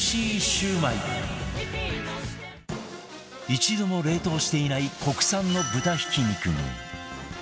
一度も冷凍していない国産の豚ひき肉に